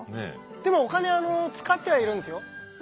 でもお金使ってはいるんですよ。